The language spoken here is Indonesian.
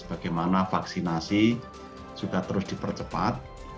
bagaimana vaksinasi sudah terus dipercepat